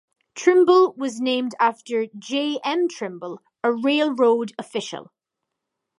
Trimble was named after J. M. Trimble, a railroad official.